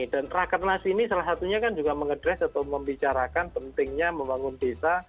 dan rakernasi ini salah satunya kan juga mengedres atau membicarakan pentingnya membangun desa